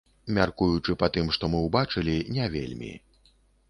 Мяркуючы па тым, што мы ўбачылі, не вельмі.